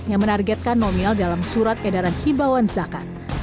yang menargetkan nominal dalam surat edaran imbauan zakat